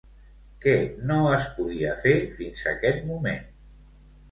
Què no es podia fer fins aquest moment?